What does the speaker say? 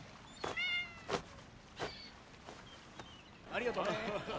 ありがとう。